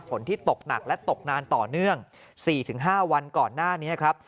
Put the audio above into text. ที่ตกหนักและตกนานต่อเนื่อง๔๕วันก่อนหน้านี้ครับ